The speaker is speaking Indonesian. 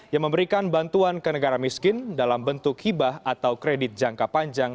yang memberikan bantuan ke negara miskin dalam bentuk hibah atau kredit jangka panjang